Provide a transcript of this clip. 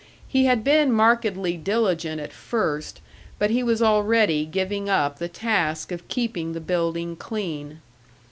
He had been markedly diligent at first, but he was already giving up the task of keeping the building clean.